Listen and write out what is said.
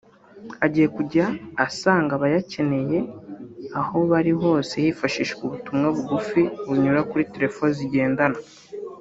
agiye kujya asanga abayakeneye aho bari hose hifashishijwe ubutumwa bugufi bunyura kuri telefoni zigendanwa